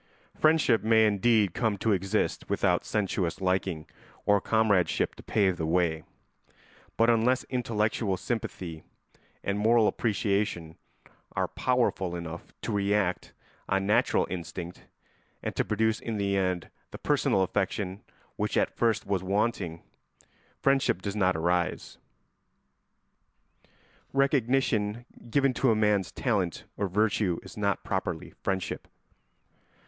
] Friendship may indeed come to exist without sensuous liking or comradeship to pave the way; but unless intellectual sympathy and moral appreciation are powerful enough to react on natural instinct and to produce in the end the personal affection which at first was wanting, friendship does not arise. Recognition given to a man's talent or virtue is not properly friendship.